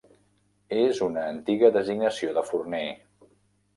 És una antiga designació de forner.